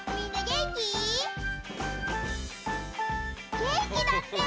げんきだって！